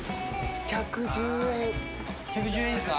１１０円ですか？